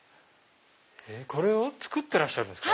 これを作ってらっしゃるんですか？